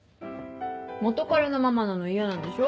元カレのままなの嫌なんでしょ？